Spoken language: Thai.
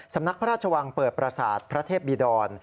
สำนักพระราชวังเปิดประสาทพระเทพบิดร